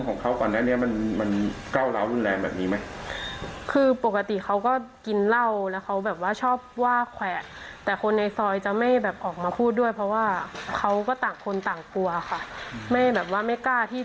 นี่นะคะก็เป็นการร้องเรียน